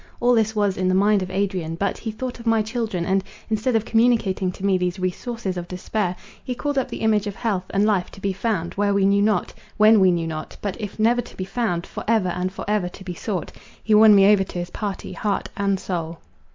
All this was in the mind of Adrian; but he thought of my children, and, instead of communicating to me these resources of despair, he called up the image of health and life to be found, where we knew not—when we knew not; but if never to be found, for ever and for ever to be sought. He won me over to his party, heart and soul.